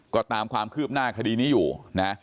ก็ตามความคืบหน้าคดีนี้อยู่นะ